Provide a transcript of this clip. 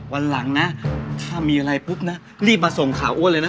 วันหลังนะถ้ามีอะไรปุ๊บนะรีบมาส่งข่าวอ้วนเลยนะ